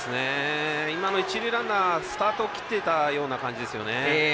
今の一塁ランナースタートを切っていたような感じですよね。